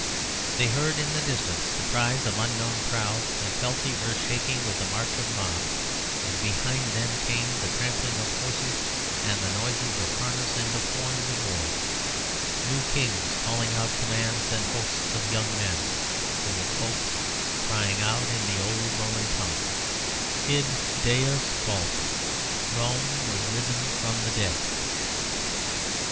They heard in the distance the cries of unknown crowds and felt the earth shaking with the march of mobs; and behind them came the trampling of horses and the noise of harness and of horns of war; new kings calling out commands and hosts of young men full of hope crying out in the old Roman tongue "Id Deus vult," Rome was risen from the dead.